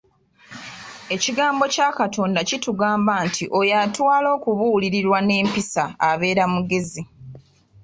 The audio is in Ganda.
Ekigambo kya Katonda kitugamba nti oyo atwala okubuulirirwa n'empisa abeera mugezi.